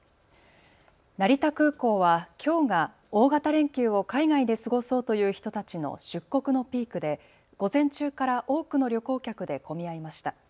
成田空港はきょうが大型連休を海外で過ごそうという人たちの出国のピークで午前中から多くの旅行客で混み合いました。